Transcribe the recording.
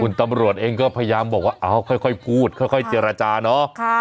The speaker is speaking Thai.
คุณตำรวจเองก็พยายามบอกว่าอ้าวค่อยค่อยพูดค่อยค่อยเจรจานอ้อค่ะ